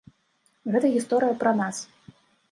Гэта гісторыя пра нас.